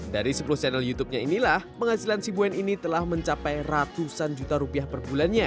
dari sepuluh channel youtubenya inilah penghasilan si boen ini telah mencapai ratusan juta rupiah per bulannya